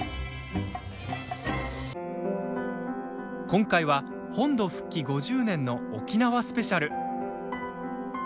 今回は、本土復帰５０年の沖縄スペシャル。